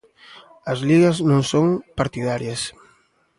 As ligas non son partidarias.